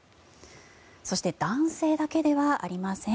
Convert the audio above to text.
そして男性だけではありません。